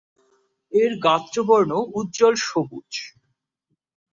এর গাত্রবর্ণ উজ্জ্বল সবুজ।